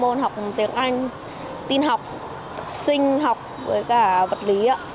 con được học trong môn học tiếng anh tin học sinh học với cả vật lý